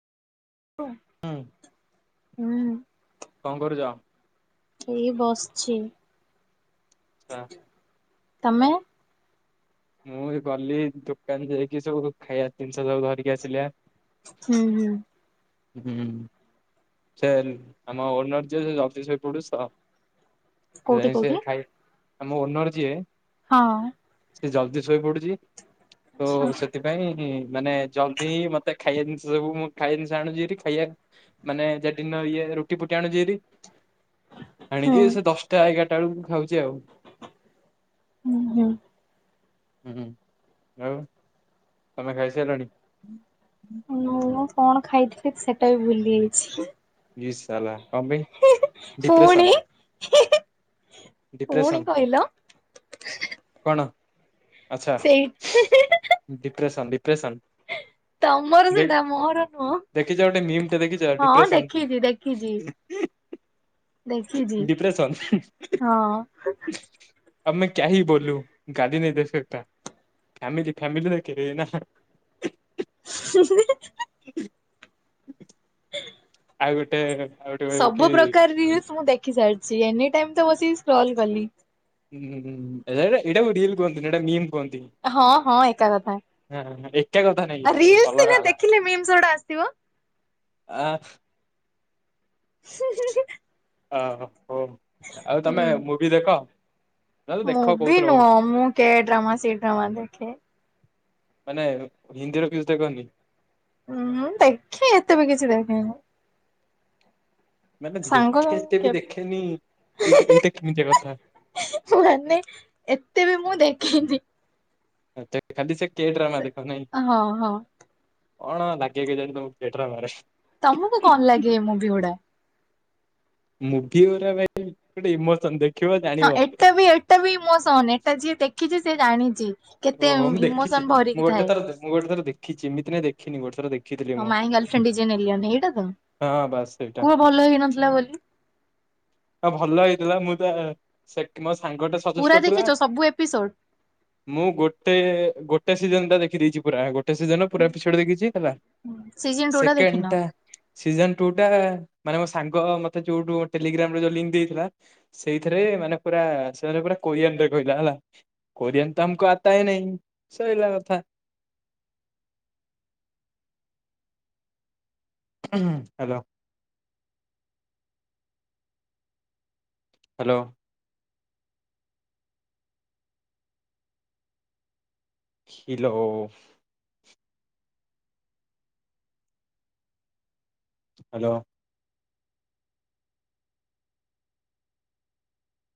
ହୁଁ ହୁଁ। କଣ କରୁଚ? ଏଇ ବସିଚି। ଆଛା ତମେ ମୁଁ ଗଲି ଦୋକାନ ଯାଇକି ସବୁ ଖାଇବା ଜିନିଷ ସବୁ ଧରିକି ଆସିଲା। ହୁଁ ହୁଁ। ହୁଁ ସେ ଆମ ଓନର ଯେ ଅଫିସ୍ ରେ କୁଡ଼ୁସ୍ ତ ସେ କୋଉଠି ଯା ସିଏ କୋଉଠି? ଖାଇ ଆମ ଓନର ଯିଏ ହଁ। ସେ ଜଲ୍ଦି ଶୋଇ ପଡୁଛି ତ ଆଛା ସେଥିପା ପାଇଁ ମାନେ ଜଲ୍ଦି ହିଁ ମତେ ଖାଇବା ଜିନିଷ ସବୁ, ମୁଁ ଖାଇବା ଜିନିଷ ଆଣୁଛି ହାରି ଖାଇବା ମାନେ ଯେଡିନ ଇଏ ରୁଟି ଫୁଟି ଆଣୁଚି ହାରି। ହୁଁ ଆଣିକି ସେ ଦଶଟା ଏଗାରଟା ବେଳକୁ ଖାଉଛି ଆଉ। ହୁଁ ହୁଁ। ହୁଁ ଆଉ। ତମେ ଖାଇସାରିଲଣି। ଅନଉ ନଉ କଣ ଖାଇଥିଲି ସେଟା ବି ଭୁଲି ଯାଇଛି। ୟେ ସାଲା କଣ ପାଇଁ ପୁଣି ଡିପ୍ରେସନ୍। ପୁଣି କହିଲ। କଣ। ସେଇ [unintelligible] ଡିପ୍ରେସନ୍ ଡିପ୍ରେସନ୍। ତମର ଦେ ସେଟା ମୋର ନୁହଁ। ଦେଖିଛ ଗୋଟେ ମିମ୍ ଟେ ଦେଖିଛ ହଁ ଡିପ୍ରେସନ୍। ଦେଖିଛି [inaudible] ଦେଖିଚି ଡିପ୍ରେସନ ହଁ। ଅବ୍ ମେ କ୍ୟା ହୁ ବୋଲୁ ଗାଲି ନେହିଁ ଦେ ସକତା। ଫମିଲି ଫ୍ୟମିଲି ଦେକେନା। [unintelligible] ଆଉ ଗୋଟେ ଆଉ ଗୋଟେ କହିବ କି ସବୁ ପ୍ରକାର ରିଲ୍ସ ମୁଁ ଦେଖି ଦେଖି ସାରିଛି ଏନି ଟାଇମ୍ ତ ବସିକି ସ୍କ୍ରୋଲ୍ କଲି। ହୁଁ ଏଟା ଏଇଟା କୁ ରିିଲ୍ କୁହନ୍ତିନ ଏଇଟା ମିମ୍ କୁହନ୍ତି। ହଁ ହଁ ଏକା କଥା। ହଁ ଏକା କଥା ନାଇ ବା ରିଲସ ସିନା ଅଲଗା ହେଲା ଦେଖିଲେ ମିମ୍ସ ଗୁଡା ଆସିବ। ଆ [inaudible] ହ ହୋଉ ଆଉ ତମେ ମୁଭି ଦେଖ। ନହେଲେ ଦେଖ ମୂଭି କୋଉଥିର ନୁହଁ ମୁଁ କେ ଡ୍ରାମା ସେ ଡ୍ରାମା ଦେଖେ। ମାନେ ହିନ୍ଦୀର କିଛି ଦେଖନି। ହୁଁ ଦେଖେ ଏତେ ବି କିଛି ଦେଖେନି। ମାନେ ସାଙ୍ଗ ଦେଖେ ଏତେ ବି କେବେ ଦେଖେନି ଏଇଟା ଏଇଟା କିମିତିଆ କଥା। [unintelligible] ମାନେ ଏତେ ବି ମୁଁ ଦେଖେନି। ଆଛ ଖାଲି ସେ କେ ଡ୍ରାମା ସେ ଦେଖ ନାଇଁ। ହଁ ହଁ କଣ ଲାଗେ କେଜାଣି ତମକୁ କେ ଡ୍ରାମାରେ। ତମକୁ କଣ ଲାଗେ ଏ ମୁଭି ଗୁଡ଼ା। ମୁଖିଆରାମେ ଇମୋସନ ଟେ ହଁ ଏଟା ବି ଏଟା ବି ଇମୋସନ ଏଟା ଯିଏ ଦେଖିଛି ସିଏ ଜାଣିଛି। କେତେ ଓହୋ ମୁଁ ଇମୋସନ ଦେଖିଛି ଭରିକି ମୁଁ ଥାଏ। ଗୋଟେଥର ମୁଁ ଗୋଟେ ଥରଖିଛି ଏମତି ନାଇଁ ଦେଖିନି ଗୋଟେ ଥର ଦେଖି ହଁ my girlfriend is an alien ଏଇଟା ତ ହଁ କୁହ ଭଲ ହେଇନଥିଲା ବୋଲି। ହଁ ଭଲ ହେଇଥିଲା ମୁଁ ତ ସେ ମୋ ସାଙ୍ଗଟା। ସଜେଷ୍ଟ ପୁରା କରିଥିଲା ଦେଖିଛ ସବୁ ଏପିସୋଡ଼୍। ମୁଁ ଗୋଟେ ଗୋଟେ ସିଜନ ଟା ଦେଖିଦେଇଛି ପୁରା ଗୋଟେ। ସେଦିନ ପୁରା ଏପିସୋଡ ଦେଖିଚି ସିଜନ ଟୁ ସେକେଣ୍ଡ୍ ଦେଖିନ? ଟା। ସିଜନ୍ ଟୁଟା ମାନେ ମୋ ସାଙ୍ଗ ମତେ ଯୋଉଟୁ ଟେଲିଗ୍ରାମ୍ ରେ ଯୋଉ ଲିଙ୍କ୍ ଦେଇଥିଲା ସେଇଥିରେ ମାନେ ପୁରା ସେମାନେ ପୁରା କୋରିଆନ୍ ରେ କହିଲା ହେଲା କୋରିଆନ୍ ତ ଆମକୁ ଆତା ହେ ନେହିଁ ସଇଲା କଥା। ହାଲୋ। ହାଲୋ। ହିଲୋ। ହାଲୋ।